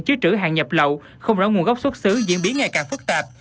chứa trữ hàng nhập lậu không rõ nguồn gốc xuất xứ diễn biến ngày càng phức tạp